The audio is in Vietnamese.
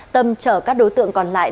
tâm chở các đối tượng còn lại